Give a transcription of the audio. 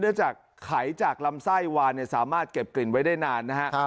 จากไขจากลำไส้วานสามารถเก็บกลิ่นไว้ได้นานนะฮะ